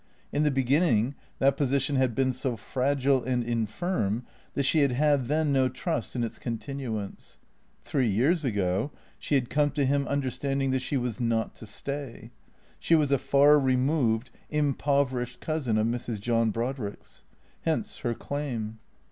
In the beginning that position had been so fragile and infirm that she had had then no trust in its continuance. Three years ago she had come to him, understanding that she was not to stay. She was a far removed, impoverished cousin of Mrs. John Brod rick's. Hence her claim.